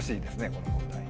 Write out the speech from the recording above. この問題。